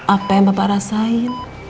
apa yang bapak rasain